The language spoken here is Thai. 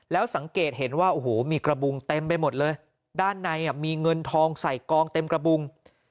แล้วสังเกตเห็นว่าโอ้โหมีกระบุงเต็มไปหมดเลยด้านในมีเงินทองใส่กองเต็มกระบุง